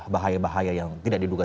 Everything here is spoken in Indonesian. bahaya bahaya yang tidak diduga